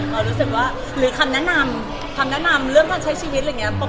เรารู้สึกว่าหรือคำแนะนำคำแนะนำเรื่องการใช้ชีวิตอะไรอย่างนี้